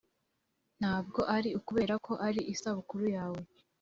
ntabwo ari ukubera ko ari isabukuru yawe.